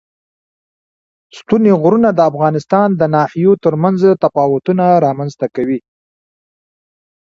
ستوني غرونه د افغانستان د ناحیو ترمنځ تفاوتونه رامنځ ته کوي.